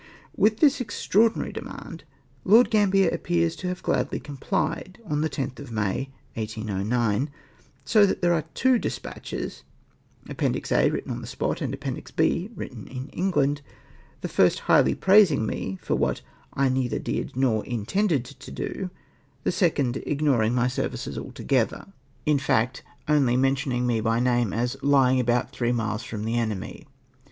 ! With this extraorthnary demand Lord Gambier ap pears to have gladly complied on the lOtli of Maj", 1809 ; so that there are two despatches (Appendix A, icritten on the qyit, and B, icritten in England), the first highly praising me for what I neither did nor intended to do — the second ignoring my services altogether !! SECOND DESPATCH IGNOKING THE FIRST. S3 In fact, only mentioning me by name, as lying " about three miles from the enemy."